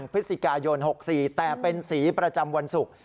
พฤศจิกายน๖๔แต่เป็นสีประจำวันศุกร์